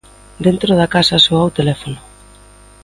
Dentro da casa soa o teléfono.